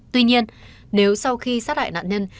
tuy nhiên nếu sau khi sát hại nạn nhân